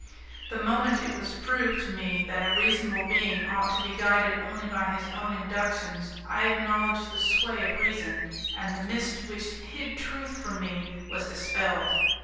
The moment it was proved to me that a reasonable being ought to be guided only by his own inductions I acknowledged the sway of reason, and the mist which hid truth from me was dispelled.